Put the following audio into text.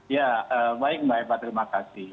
ya baik mbak eva terima kasih